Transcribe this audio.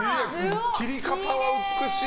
切り方が美しい！